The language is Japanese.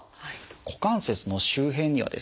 股関節の周辺にはですね